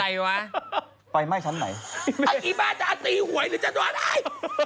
อะไรวะไฟไหม้ชั้นไหนไอ้บ้าจะอาจตีหวยหรือจะดวนไอ